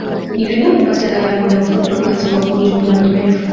Ni vigumu kupata dawa ya muda mfupi wakati una ugonjwa wa muda mrefu